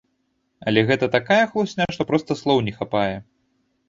Але гэта такая хлусня, што проста слоў не хапае.